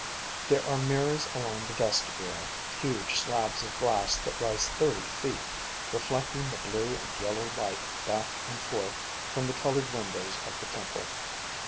There are mirrors along the vestibule, huge slabs of glass that rise thirty feet, reflecting the blue and yellow light back and forth from the colored windows of the temple.